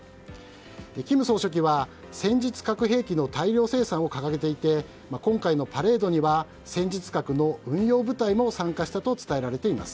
金総書記は戦術核兵器の大量生産を掲げていて今回のパレードには戦術核の運用部隊も参加したと伝えられています。